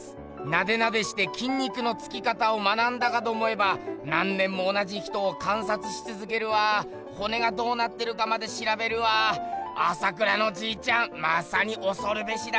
ナデナデして筋肉のつき方を学んだかと思えば何年も同じ人を観察しつづけるわ骨がどうなってるかまでしらべるわ朝倉のじいちゃんまさにおそるべしだなあ。